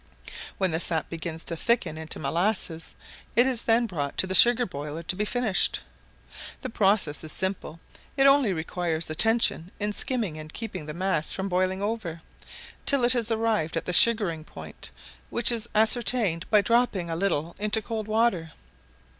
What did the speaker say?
When the sap begins to thicken into molasses, it is then brought to the sugar boiler to be finished. The process is simple; it only requires attention in skimming and keeping the mass from boiling over, till it has arrived at the sugaring point, which is ascertained by dropping a little into cold water.